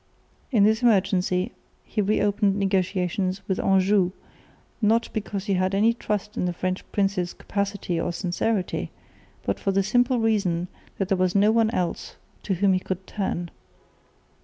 In this emergency he reopened negotiations with Anjou, not because he had any trust in the French prince's capacity or sincerity, but for the simple reason that there was no one else to whom he could turn.